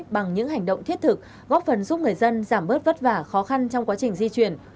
bằng những hành động thiết thực góp phần giúp người dân giảm bớt vất vả khó khăn trong quá trình di chuyển